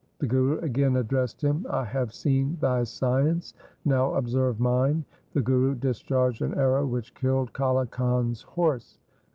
The Guru again addressed him, ' I have seen thy science. Now observe mine.' The Guru discharged an arrow which killed Kale Khan's horse.